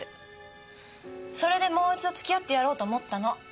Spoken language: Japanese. それでもう一度付き合ってやろうと思ったの。